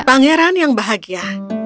pangeran yang bahagia